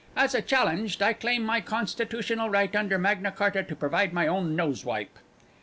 As a challenged, I claim my constitutional right under Magna Charta to provide my own nosewipe."